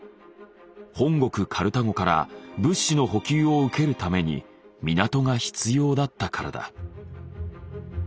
本国カルタゴから物資の補給を受けるために港が必要だったからだ。